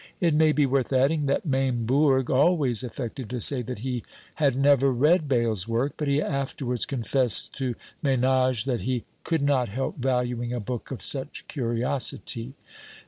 It may be worth adding, that Maimbourg always affected to say that he had never read Bayle's work, but he afterwards confessed to Menage, that he could not help valuing a book of such curiosity.